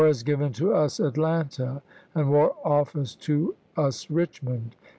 War has given to us Atlanta, phwson, and war offers to us Richmond.